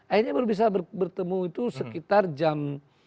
akhirnya baru bisa bertemu itu sekitar jam